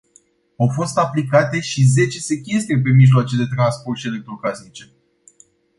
Au fost aplicate și zece sechestre pe mijloace de transport și electrocasnice.